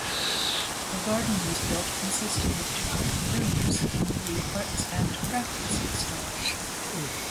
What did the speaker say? A garden was built consisting of different "rooms" in the Arts and Crafts style.